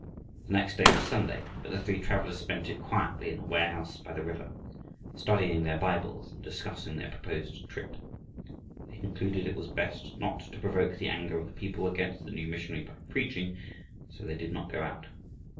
The next day was Sunday, but the three travelers spent it quietly in the warehouse by the river, studying their Bibles and discussing their proposed trip. They concluded it was best not to provoke the anger of the people against the new missionary by preaching, so they did not go out.